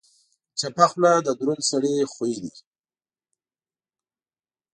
چپه خوله، د دروند سړي خوی دی.